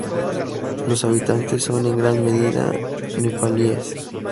Los habitantes son en gran medida nepalíes.